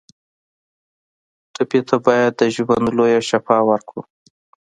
ټپي ته باید د ژوند لویه شفا ورکړو.